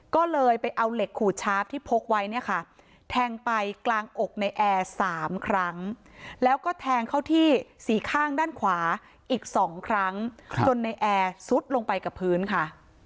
ก็เลยไปเอาเหล็กขูดชาร์ฟที่พกไว้เนี่ยค่ะแทงไปกลางอกในแอร์๓ครั้งแล้วก็แทงเข้าที่สี่ข้างด้านขวาอีก๒ครั้งจนในแอร์ซุดลงไปกับพื้นค่ะ